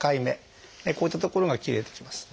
こういった所が切れてきます。